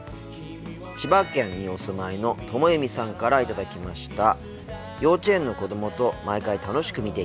千葉県にお住まいのともゆみさんから頂きました。